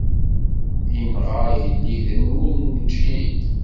Inɣa igelliden ur neǧhid.